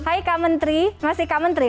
hai kak menteri masih kak menteri